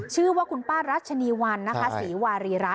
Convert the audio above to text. ชื่อว่าคุณป้ารัชนีวันนะคะศรีวารีรัฐ